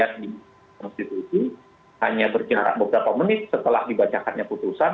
di konstitusi hanya berkira beberapa menit setelah dibacakannya putusan